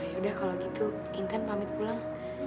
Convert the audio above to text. ya kalau begitu intan pamit pulang